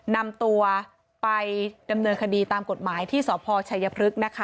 นำตัวไปดำเนินคดีตามกฎหมายที่สพชัยพฤกษ์นะคะ